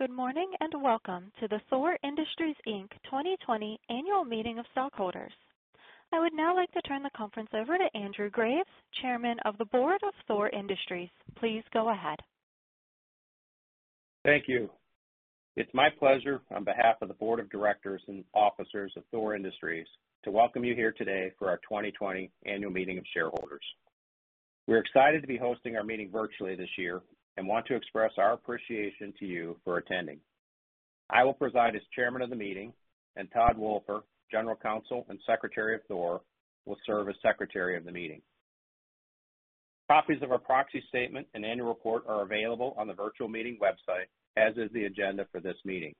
Good morning, and welcome to the THOR Industries Inc. 2020 Annual Meeting of Stockholders. I would now like to turn the conference over to Andrew Graves, Chairman of the Board of THOR Industries. Please go ahead. Thank you. It's my pleasure, on behalf of the Board of Directors and Officers of THOR Industries, to welcome you here today for our 2020 Annual Meeting of Shareholders. We're excited to be hosting our meeting virtually this year and want to express our appreciation to you for attending. I will preside as Chairman of the meeting, and Todd Woelfer, General Counsel and Secretary of THOR, will serve as Secretary of the meeting. Copies of our proxy statement and annual report are available on the virtual meeting website, as is the agenda for this meeting.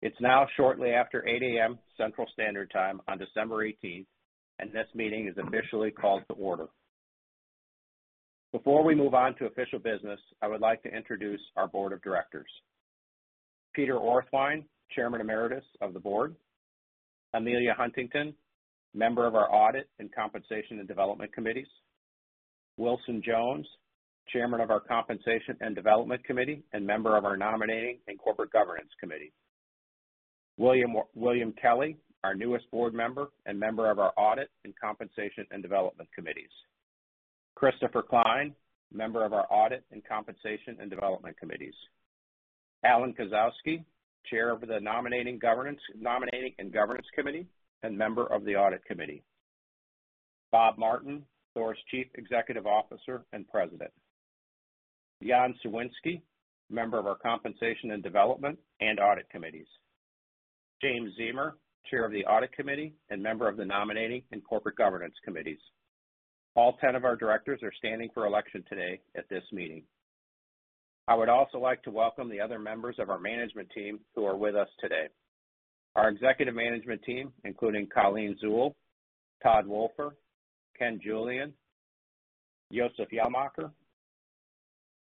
It's now shortly after 8:00 A.M. Central Standard Time on December 18th, and this meeting is officially called to order. Before we move on to official business, I would like to introduce our Board of Directors. Peter Orthwein, Chairman Emeritus of the Board. Amelia Huntington, Member of our Audit and Compensation and Development Committees. Wilson Jones, Chairman of our Compensation and Development Committee and Member of our Nominating and Corporate Governance Committee. William Kelley, our newest Board Member and Member of our Audit and Compensation and Development Committees. Christopher Klein, Member of our Audit and Compensation and Development Committees. J. Allen Kosowsky, Chair of the Nominating and Governance Committee and Member of the Audit Committee. Bob Martin, THOR's Chief Executive Officer and President. Jan Suwinski, Member of our Compensation and Development and Audit Committees. James Ziemer, Chair of the Audit Committee and Member of the Nominating and Corporate Governance Committees. All 10 of our Directors are standing for election today at this meeting. I would also like to welcome the other members of our Management Team who are with us today. Our Executive Management team, including Colleen Zuhl, Todd Woelfer, Ken Julian, Josef Hjelmaker,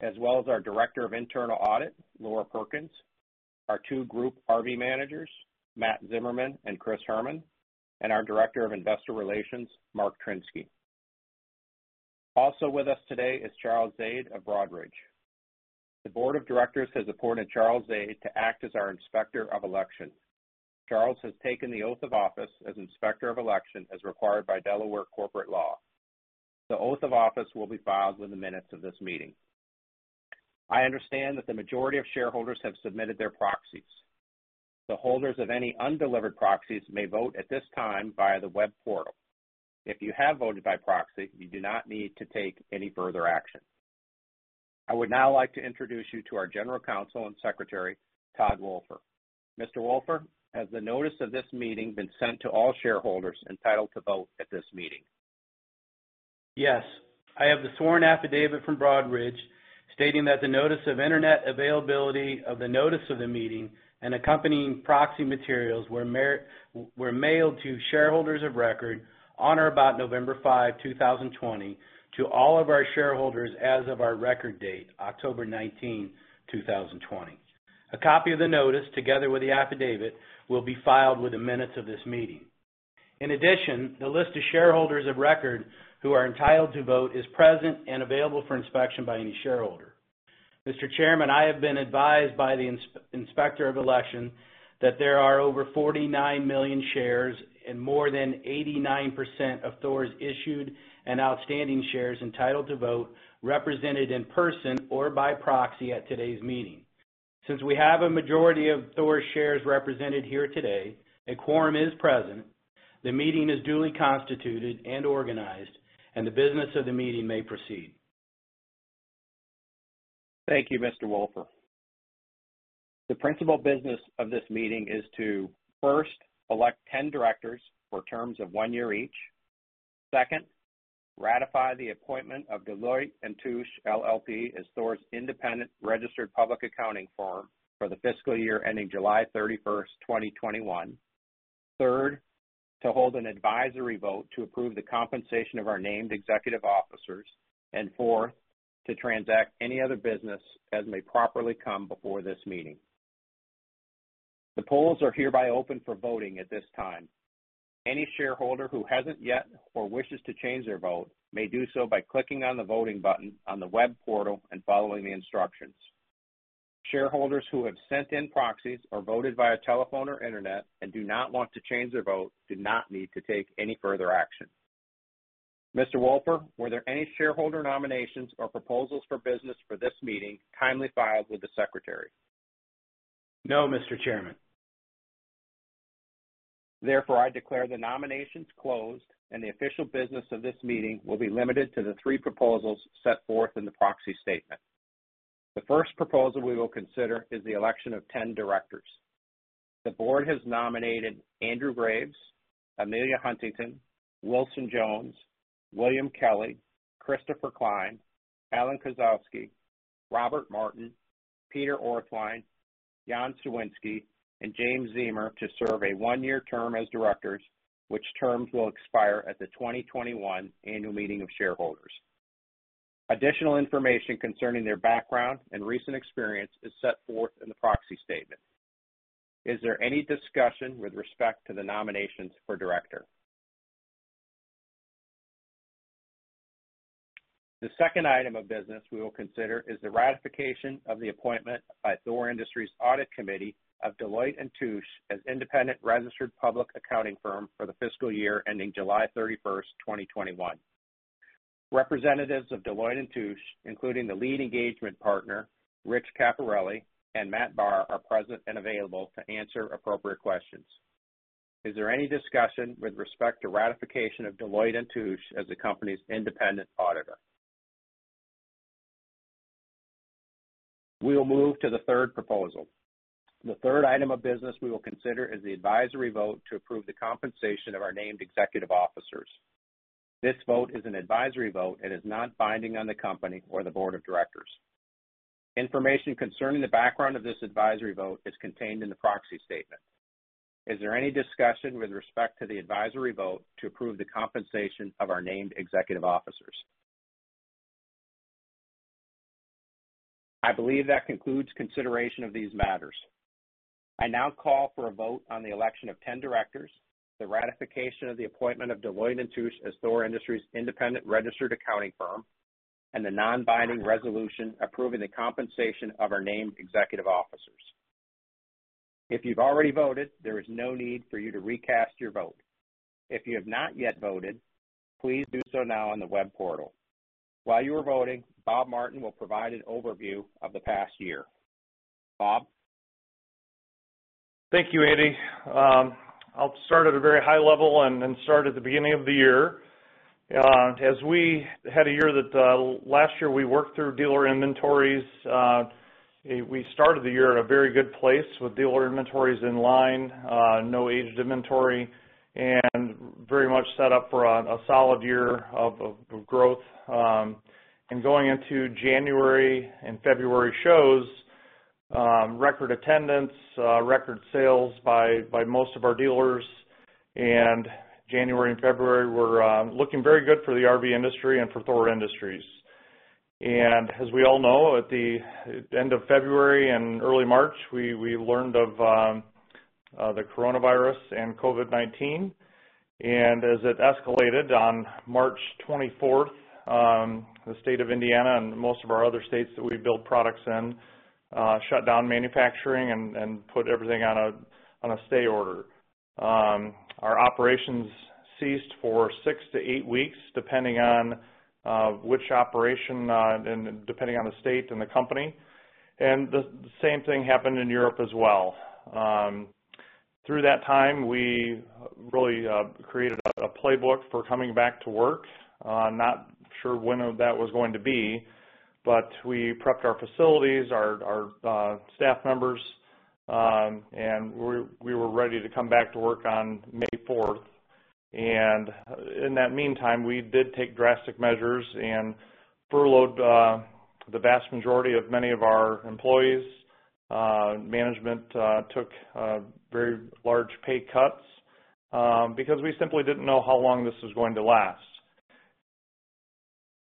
as well as our Director of Internal Audit, Laura Perkins, our two Group RV Managers, Matt Zimmerman and Chris Hermon, and our Director of Investor Relations, Mark Trinske. Also with us today is Charles Zaid of Broadridge. The Board of Directors has appointed Charles Zaid to act as our Inspector of Election. Charles has taken the oath of office as Inspector of Election as required by Delaware corporate law. The oath of office will be filed with the minutes of this meeting. I understand that the majority of shareholders have submitted their proxies. The holders of any undelivered proxies may vote at this time via the web portal. If you have voted by proxy, you do not need to take any further action. I would now like to introduce you to our General Counsel and Corporate Secretary, Todd Woelfer. Mr. Woelfer, has the notice of this meeting been sent to all shareholders entitled to vote at this meeting? Yes. I have the sworn affidavit from Broadridge stating that the notice of internet availability of the notice of the meeting and accompanying proxy materials were mailed to shareholders of record on or about November 5, 2020 to all of our shareholders as of our record date, October 19, 2020. A copy of the notice, together with the affidavit, will be filed with the minutes of this meeting. In addition, the list of shareholders of record who are entitled to vote is present and available for inspection by any shareholder. Mr. Chairman, I have been advised by the inspector of election that there are over 49 million shares and more than 89% of THOR's issued and outstanding shares entitled to vote represented in person or by proxy at today's meeting. Since we have a majority of THOR shares represented here today, a quorum is present, the meeting is duly constituted and organized, and the business of the meeting may proceed. Thank you, Mr. Woelfer. The principal business of this meeting is to, first, elect 10 directors for terms of one year each. Second, ratify the appointment of Deloitte & Touche LLP as THOR's independent registered public accounting firm for the fiscal year ending July 31st, 2021. Third, to hold an advisory vote to approve the compensation of our named executive officers. Fourth, to transact any other business as may properly come before this meeting. The polls are hereby open for voting at this time. Any shareholder who hasn't yet or wishes to change their vote may do so by clicking on the voting button on the web portal and following the instructions. Shareholders who have sent in proxies or voted via telephone or internet and do not want to change their vote do not need to take any further action. Mr. Woelfer, were there any shareholder nominations or proposals for business for this meeting kindly filed with the secretary? No, Mr. Chairman. Therefore, I declare the nominations closed and the official business of this meeting will be limited to the three proposals set forth in the proxy statement. The first proposal we will consider is the election of 10 directors. The board has nominated Andrew Graves, Amelia Huntington, Wilson Jones, William Kelley, Christopher Klein, Allen Kosowsky, Robert Martin, Peter Orthwein, Jan Suwinski, and James Ziemer to serve a one-year term as directors, which terms will expire at the 2021 Annual Meeting of Shareholders. Additional information concerning their background and recent experience is set forth in the proxy statement. Is there any discussion with respect to the nominations for director? The second item of business we will consider is the ratification of the appointment by THOR Industries Audit Committee of Deloitte & Touche as independent registered public accounting firm for the fiscal year ending July 31st, 2021. Representatives of Deloitte & Touche, including the lead engagement partner, Rich Caffarelli and Matt Bahr, are present and available to answer appropriate questions. Is there any discussion with respect to ratification of Deloitte & Touche as the company's independent auditor? We will move to the third proposal. The third item of business we will consider is the advisory vote to approve the compensation of our named executive officers. This vote is an advisory vote and is not binding on the company or the board of directors. Information concerning the background of this advisory vote is contained in the proxy statement. Is there any discussion with respect to the advisory vote to approve the compensation of our named executive officers? I believe that concludes consideration of these matters. I now call for a vote on the election of 10 directors, the ratification of the appointment of Deloitte & Touche as THOR Industries' independent registered accounting firm, and the non-binding resolution approving the compensation of our named executive officers. If you've already voted, there is no need for you to recast your vote. If you have not yet voted, please do so now on the web portal. While you are voting, Bob Martin will provide an overview of the past year. Bob? Thank you, Andy. I'll start at a very high level and start at the beginning of the year. We had a year that last year we worked through dealer inventories. We started the year at a very good place with dealer inventories in line, no aged inventory, and very much set up for a solid year of growth. Going into January and February shows, record attendance, record sales by most of our dealers. January and February were looking very good for the RV industry and for THOR Industries. As we all know, at the end of February and early March, we learned of the coronavirus and COVID-19. As it escalated on March 24th, the state of Indiana and most of our other states that we build products in, shut down manufacturing and put everything on a stay order. Our operations ceased for six to eight weeks, depending on which operation, and depending on the state and the company. The same thing happened in Europe as well. Through that time, we really created a playbook for coming back to work. Not sure when that was going to be, but we prepped our facilities, our staff members, and we were ready to come back to work on May 4th. In that meantime, we did take drastic measures and furloughed the vast majority of many of our employees. Management took very large pay cuts because we simply didn't know how long this was going to last.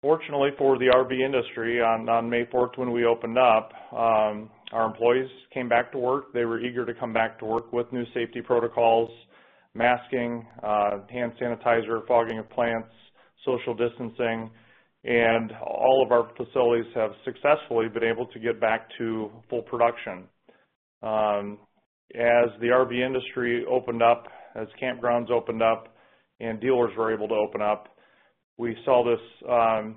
Fortunately for the RV industry, on May 4th when we opened up, our employees came back to work. They were eager to come back to work with new safety protocols, masking, hand sanitizer, fogging of plants, social distancing, and all of our facilities have successfully been able to get back to full production. As the RV industry opened up, as campgrounds opened up, and dealers were able to open up, we saw this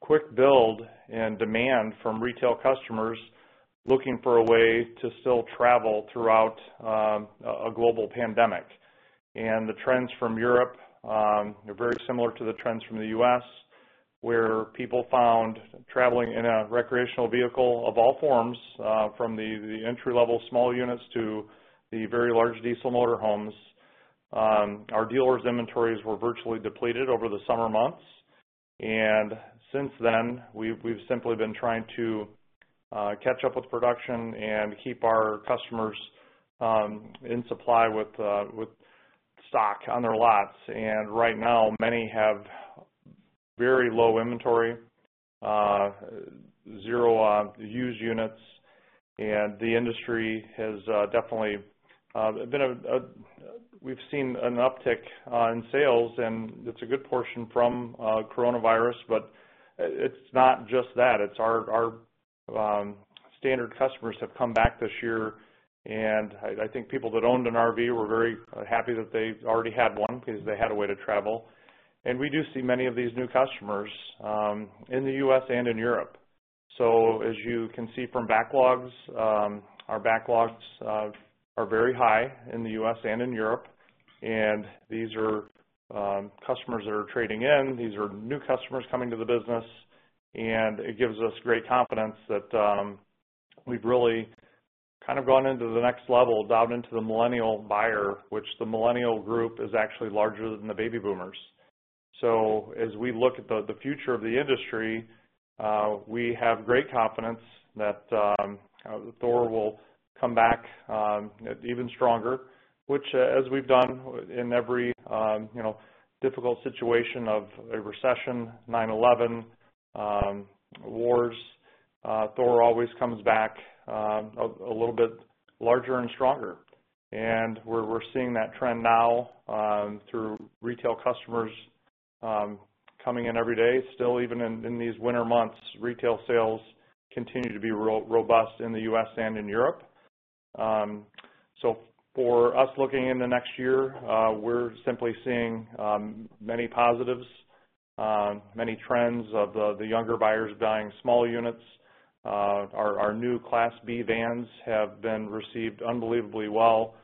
quick build and demand from retail customers looking for a way to still travel throughout a global pandemic. The trends from Europe are very similar to the trends from the U.S., where people found traveling in a recreational vehicle of all forms, from the entry-level small units to the very large diesel motor homes. Our dealers' inventories were virtually depleted over the summer months. Since then, we've simply been trying to catch up with production and keep our customers in supply with stock on their lots. Right now, many have very low inventory, zero used units. We've seen an uptick in sales, and it's a good portion from coronavirus, but it's not just that. It's our standard customers have come back this year, and I think people that owned an RV were very happy that they already had one because they had a way to travel. We do see many of these new customers in the U.S. and in Europe. As you can see from backlogs, our backlogs are very high in the U.S. and in Europe. These are customers that are trading in, these are new customers coming to the business, and it gives us great confidence that we've really kind of gone into the next level, down into the millennial buyer, which the millennial group is actually larger than the baby boomers. As we look at the future of the industry, we have great confidence that THOR will come back even stronger, which as we've done in every difficult situation of a recession, 9/11, wars. THOR always comes back a little bit larger and stronger. We're seeing that trend now through retail customers coming in every day. Still, even in these winter months, retail sales continue to be robust in the U.S. and in Europe. For us looking in the next year, we're simply seeing many positives, many trends of the younger buyers buying small units. Our new Class B vans have been received unbelievably well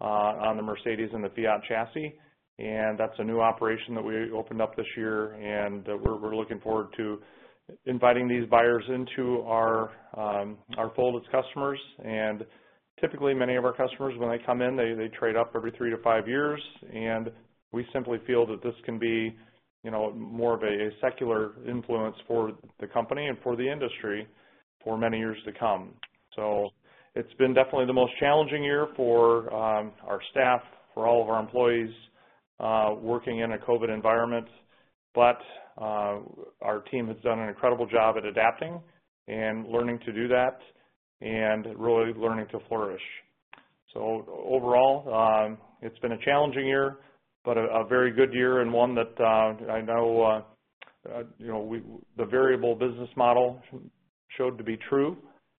on the Mercedes-Benz and the Fiat chassis, and that's a new operation that we opened up this year. We're looking forward to inviting these buyers into our fold as customers. Typically, many of our customers, when they come in, they trade up every three to five years. We simply feel that this can be more of a secular influence for the company and for the industry for many years to come. It's been definitely the most challenging year for our staff, for all of our employees, working in a COVID-19 environment. Our team has done an incredible job at adapting and learning to do that and really learning to flourish. Overall, it's been a challenging year, but a very good year and one that I know the variable business model showed to be true.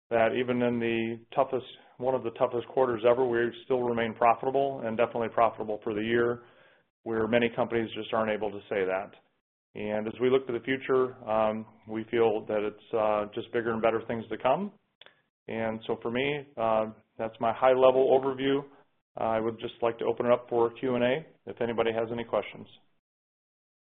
That even in one of the toughest quarters ever, we still remain profitable and definitely profitable for the year, where many companies just aren't able to say that. As we look to the future, we feel that it's just bigger and better things to come. For me, that's my high-level overview. I would just like to open it up for Q&A if anybody has any questions.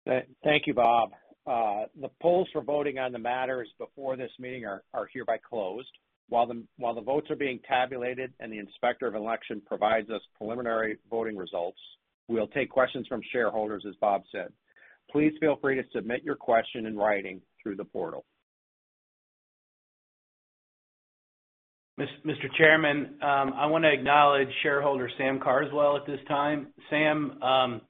Thank you, Bob. The polls for voting on the matters before this meeting are hereby closed. While the votes are being tabulated and the Inspector of Election provides us preliminary voting results, we'll take questions from shareholders, as Bob said. Please feel free to submit your question in writing through the portal. Mr. Chairman, I want to acknowledge shareholder Sam Carswell at this time. Sam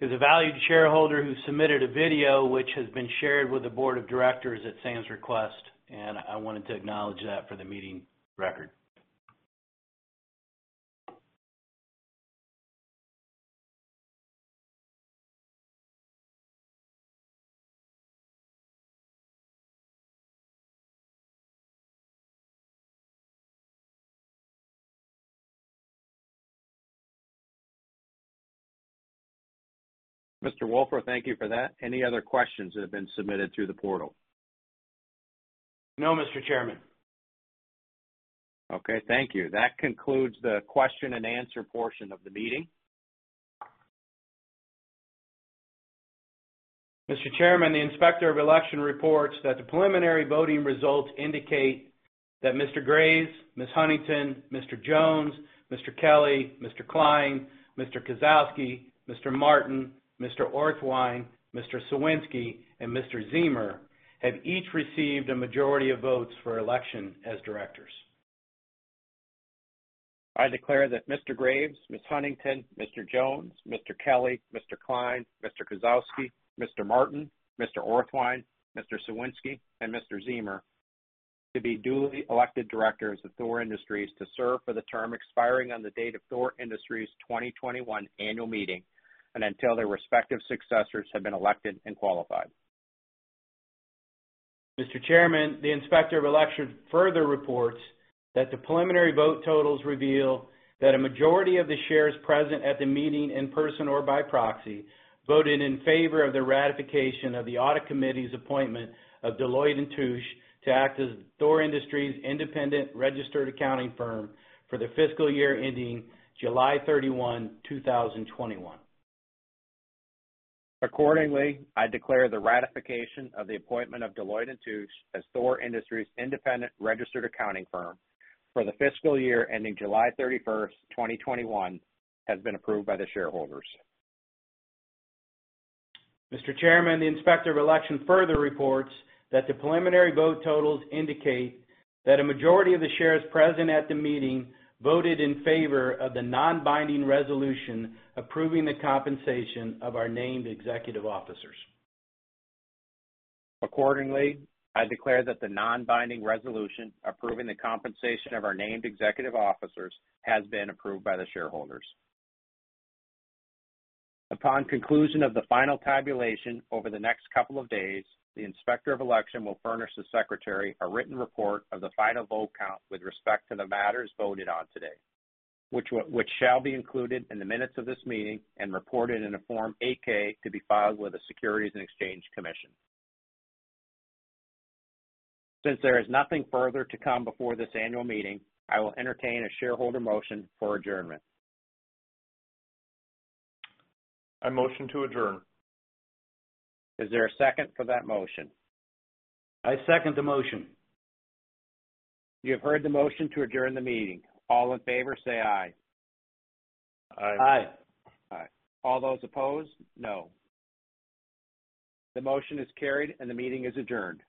is a valued shareholder who submitted a video which has been shared with the Board of Directors at Sam's request, and I wanted to acknowledge that for the meeting record. Mr. Woelfer, thank you for that. Any other questions that have been submitted through the portal? No, Mr. Chairman. Okay. Thank you. That concludes the question and answer portion of the meeting. Mr. Chairman, the Inspector of Election reports that the preliminary voting results indicate that Mr. Graves, Ms. Huntington, Mr. Jones, Mr. Kelley, Mr. Klein, Mr. Kosowsky, Mr. Martin, Mr. Orthwein, Mr. Suwinski, and Mr. Ziemer have each received a majority of votes for election as directors. I declare that Mr. Graves, Ms. Huntington, Mr. Jones, Mr. Kelley, Mr. Klein, Mr. Kosowsky, Mr. Martin, Mr. Orthwein, Mr. Suwinski, and Mr. Ziemer to be duly elected Directors of THOR Industries to serve for the term expiring on the date of THOR Industries' 2021 Annual Meeting and until their respective successors have been elected and qualified. Mr. Chairman, the Inspector of Election further reports that the preliminary vote totals reveal that a majority of the shares present at the meeting in person or by proxy voted in favor of the ratification of the Audit Committee's appointment of Deloitte & Touche to act as THOR Industries' independent registered accounting firm for the fiscal year ending July 31, 2021. Accordingly, I declare the ratification of the appointment of Deloitte & Touche as THOR Industries' independent registered accounting firm for the fiscal year ending July 31st, 2021, has been approved by the shareholders. Mr. Chairman, the Inspector of Election further reports that the preliminary vote totals indicate that a majority of the shares present at the meeting voted in favor of the non-binding resolution approving the compensation of our named executive officers. Accordingly, I declare that the non-binding resolution approving the compensation of our named executive officers has been approved by the shareholders. Upon conclusion of the final tabulation over the next couple of days, the Inspector of Election will furnish the Secretary a written report of the final vote count with respect to the matters voted on today, which shall be included in the minutes of this meeting and reported in a Form 8-K to be filed with the Securities and Exchange Commission. Since there is nothing further to come before this annual meeting, I will entertain a shareholder motion for adjournment. I motion to adjourn. Is there a second for that motion? I second the motion. You have heard the motion to adjourn the meeting. All in favor say aye. Aye. Aye. Aye. All those opposed, no. The motion is carried and the meeting is adjourned.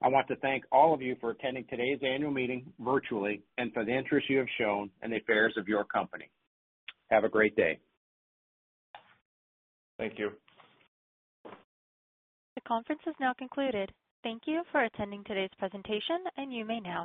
I want to thank all of you for attending today's annual meeting virtually and for the interest you have shown in the affairs of your company. Have a great day. Thank you. The conference is now concluded. Thank you for attending today's presentation and you may now disconnect.